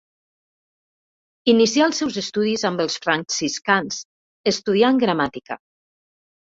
Inicià els seus estudis amb els franciscans estudiant gramàtica.